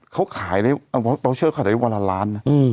เขาเชิดขาดมาได้๑๐๐๐๐๐๐๐บาท